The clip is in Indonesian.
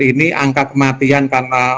ini angka kematian karena